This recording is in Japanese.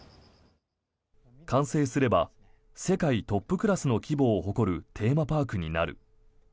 完成すれば世界トップクラスの規模を誇るテーマパークになる。